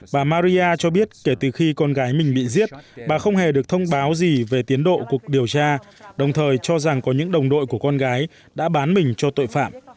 bà maria cho biết kể từ khi con gái mình bị giết bà không hề được thông báo gì về tiến độ cuộc điều tra đồng thời cho rằng có những đồng đội của con gái đã bán mình cho tội phạm